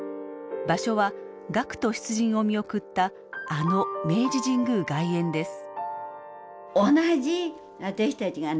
場所は学徒出陣を見送ったあの明治神宮外苑です。